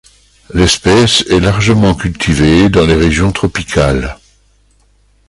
L'espèce est largement cultivée dans les régions tropicales.